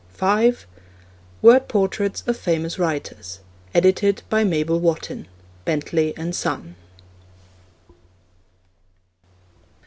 (5) Word Portraits of Famous Writers. Edited by Mabel Wotton. (Bentley and Son.)